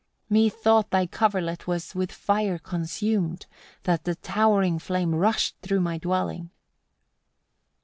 15. "Methought thy coverlet was with fire consumed; that the towering flame rushed through my dwelling."